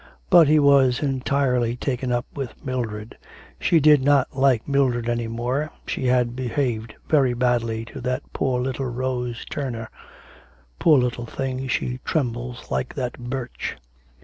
But he was entirely taken up with Mildred. She did not like Mildred any more, she had behaved very badly to that poor little Rose Turner. 'Poor little thing, she trembles like that birch.'